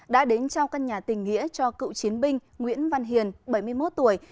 đã đến trao căn nhà tình nghĩa cho cựu chiến binh nguyễn văn hiền bảy mươi một tuổi